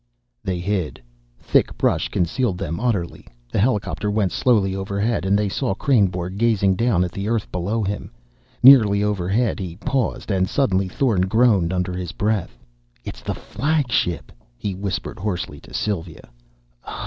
They hid. Thick brush concealed them utterly. The helicopter went slowly overhead, and they saw Kreynborg gazing down at the earth below him. Nearly overhead he paused. And suddenly Thorn groaned under his breath. "It's the flagship!" he whispered hoarsely to Sylva.